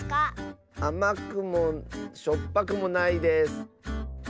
あまくもしょっぱくもないです。